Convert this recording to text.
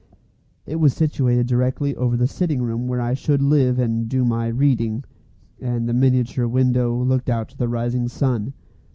It was situated directly over the sitting room where I should live and do my "reading," and the miniature window looked out to the rising sun.